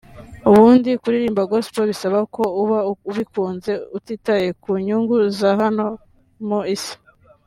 Ubundi kuririmba Gospel bisaba ko uba ubikunze utitaye ku nyungu za hano mu isi